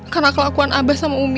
karena kelakuan abah sama umi